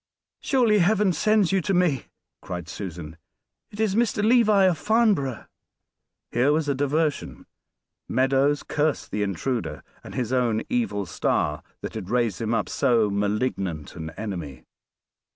"Surely Heaven sends you to me," cried Susan. "It is Mr. Levi, of Farnborough." Here was a diversion. Meadows cursed the intruder, and his own evil star that had raised him up so malignant an enemy.